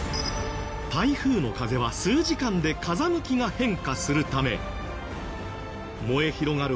台風の風は数時間で風向きが変化するため燃え広がる